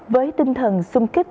với tinh thần xung kích